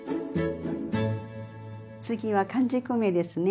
次は完熟梅ですね。